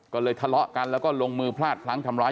ก็เลยทะเลาะกันแล้วก็ลงมือพลาดพลั้งทำร้าย